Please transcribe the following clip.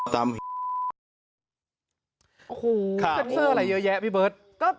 เสื้ออะไรเยอะแยะพี่เบิร์ต